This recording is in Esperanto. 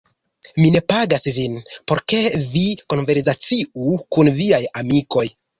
Mi ne pagas vin, por ke vi konversaciu kun viaj amikoj.